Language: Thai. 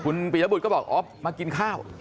คุณปียบุตรก็บอกอ๋อมากินข้าว